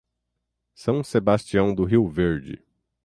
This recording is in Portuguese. São Sebastião do Rio Verde